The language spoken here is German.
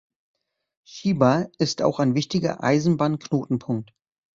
Chiba ist auch ein wichtiger Eisenbahnknotenpunkt.